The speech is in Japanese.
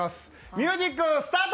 ミュージックスタート！